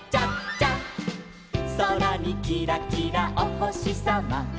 「そらにキラキラおほしさま」